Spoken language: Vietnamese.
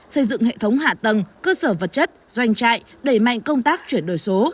xây dựng hệ thống hạ tầng cơ sở vật chất doanh trại đẩy mạnh công tác chuyển đổi số